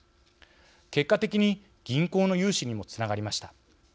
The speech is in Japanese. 結果的に、銀行の融資にもつながりました。